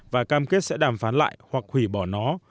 và cam kết sẽ đàm phán lại hoặc hủy bỏ nó